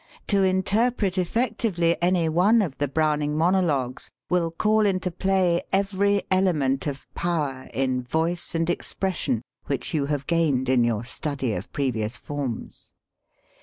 To interpret effectively any one of the Brown ing monologues will call into play every ele ment of power in voice and expression which you have gained in your study of previous forms.